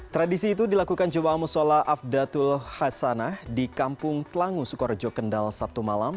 tradisi itu dilakukan jemaah musola afdatul hasanah di kampung telangu sukorejo kendal sabtu malam